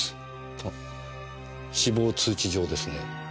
あ死亡通知状ですね。